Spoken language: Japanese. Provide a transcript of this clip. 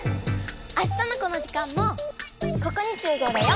あしたのこの時間もここにしゅうごうだよ！